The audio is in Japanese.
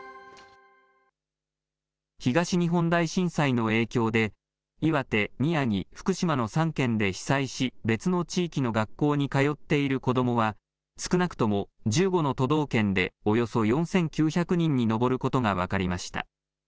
東日本大震災の影響で岩手、宮城、福島の３県で被災し、別の地域の学校に通っている子どもは、少なくとも１５の都道県でおよそ４９００人に上ることが分かりました。